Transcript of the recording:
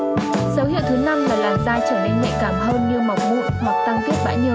dấu hiệu thứ năm là làn da trở nên mệnh cảm hơn như mọc mụn hoặc tăng kết bãi nhờ